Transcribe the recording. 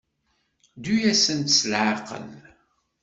Ddu-asent s leɛqel.